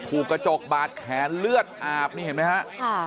ถูกกระจกบาดแขนเลือดอาบนี่เห็นไหมฮะ